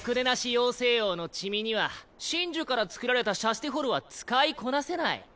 妖精王のチミには神樹から作られたシャスティフォルは使いこなせない。